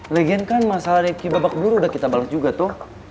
legian kan masalah reki babak belur udah kita balas juga tuh